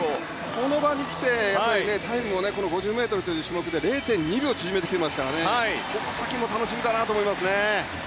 この場に来てタイムを５０ｍという種目で０．２秒縮めてきてますからこの先も楽しみだなと思いますね。